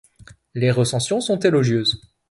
Les recensions sont élogieuses.